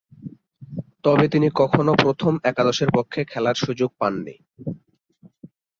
তবে, তিনি কখনও প্রথম একাদশের পক্ষে খেলার সুযোগ পাননি।